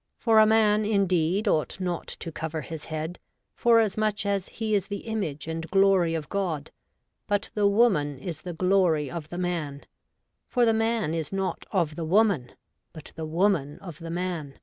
' For a man, indeed, ought not to cover his head, forasmuch as he is the image and glory of God ; but the woman is the glory of the man. For the man is not of the woman ; but the woman of the man.